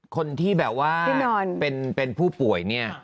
คนพี่เป็นผู้ป่วย